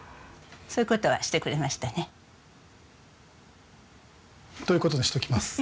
そういう事はしてくれましたね。という事にしておきます。